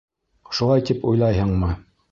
Шулай тип уйлайһыңмы?